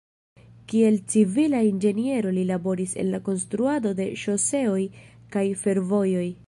Kiel civila inĝeniero li laboris en la konstruado de ŝoseoj kaj fervojoj.